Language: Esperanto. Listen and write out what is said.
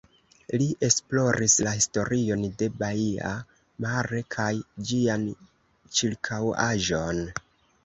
Li esploris la historion de baia Mare kaj ĝian ĉirkaŭaĵon.